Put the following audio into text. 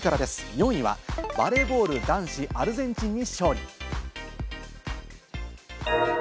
４位はバレーボール男子、アルゼンチンに勝利。